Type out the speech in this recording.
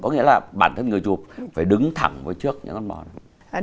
có nghĩa là bản thân người chụp phải đứng thẳng với trước những con bò này